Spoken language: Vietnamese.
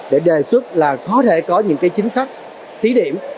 để đề xuất là có thể có những chính sách thí điểm